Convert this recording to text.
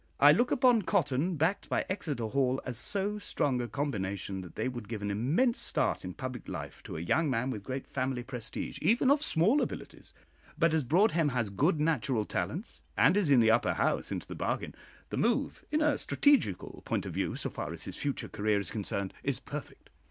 I look upon cotton, backed by Exeter Hall, as so strong a combination, that they would give an immense start in public life to a young man with great family prestige, even of small abilities; but as Broadhem has good natural talents, and is in the Upper House into the bargain, the move, in a strategical point of view, so far as his future career is concerned, is perfect."